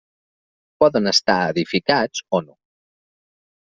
Poden estar edificats o no.